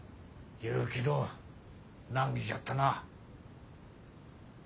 結城どん難儀じゃったな。